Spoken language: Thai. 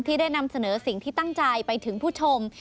ได้นำเสนอสิ่งที่ตั้งใจไปถึงผู้ชม